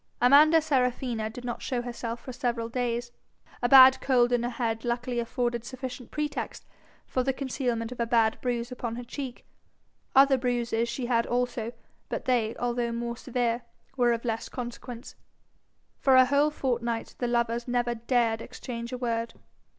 Amanda Serafina did not show herself for several days. A bad cold in her head luckily afforded sufficient pretext for the concealment of a bad bruise upon her cheek. Other bruises she had also, but they, although more severe, were of less consequence. For a whole fortnight the lovers never dared exchange a word.